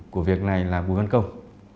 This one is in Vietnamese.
của việc này là bùi văn công